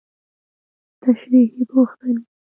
تشريحي پوښتنې: